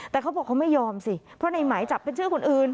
แต่เขาบอกเขาไม่ยอมสิเพราะในหมายจับเป็นชื่อคนอื่น